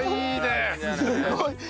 すごい！